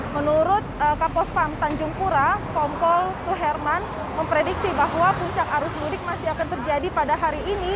menurut kapospam tanjung pura kompol suherman memprediksi bahwa puncak arus mudik masih akan terjadi pada hari ini